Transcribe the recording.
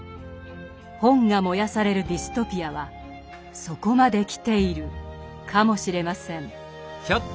本が燃やされるディストピアはそこまで来ているかもしれません。